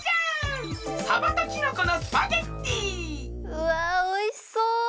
うわおいしそう！